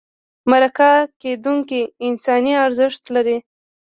مرکه کېدونکی انساني ارزښت لري.